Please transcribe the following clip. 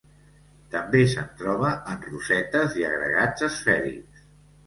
També se'n troba en rosetes i agregats esfèrics.